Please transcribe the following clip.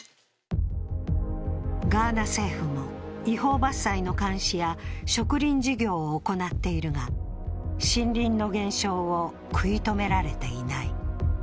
ガーナ政府も違法伐採の監視や植林事業を行っているが森林の減少を食い止められていない。